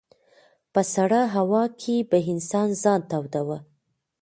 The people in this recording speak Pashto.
په سړه هوا کې به انسان ځان توداوه.